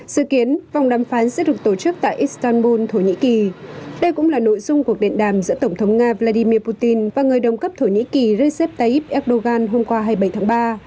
sự kiến vòng đàm phán sẽ được tổ chức tại istanbul thổ nhĩ kỳ đây cũng là nội dung cuộc điện đàm giữa tổng thống nga vladimir putin và người đồng cấp thổ nhĩ kỳ recep tayyip erdogan hôm qua hai mươi bảy tháng ba